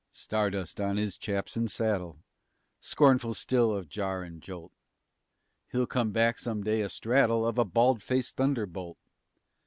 _" Stardust on his chaps and saddle, Scornful still of jar and jolt, He'll come back some day, astraddle Of a bald faced thunderbolt.